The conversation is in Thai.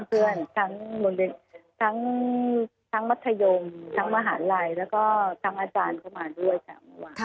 เพื่อนทั้งมัธยมทั้งมหาลัยแล้วก็ทั้งอาจารย์เข้ามาด้วยค่ะเมื่อวาน